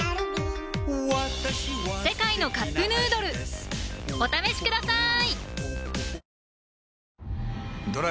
「世界のカップヌードル」お試しください！